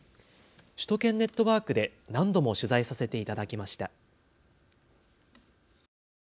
首都圏ネットワークで何度も取材させていただきました。